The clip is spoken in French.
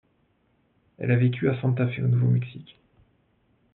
Elle a vécu à Santa Fe au Nouveau-Mexique.